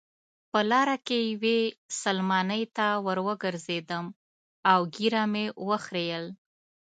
په لاره کې یوې سلمانۍ ته وروګرځېدم او ږیره مې وخریل.